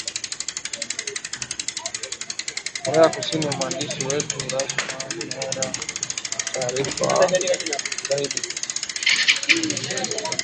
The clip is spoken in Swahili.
korea kusini mwandishi wetu zuhra mwera anataarifa zaidi